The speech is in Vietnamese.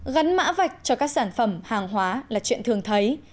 gắn mã vạch cho các sản phẩm hàng hóa là chuyện thường thấy